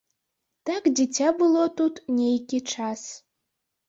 Так дзіця было тут нейкі час.